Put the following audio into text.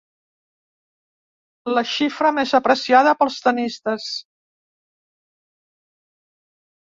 La xifra més apreciada pels tennistes.